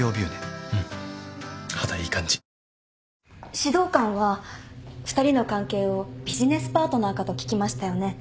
指導官は２人の関係をビジネスパートナーかと聞きましたよね。